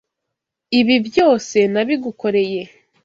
Ibi byose nabigukoreye.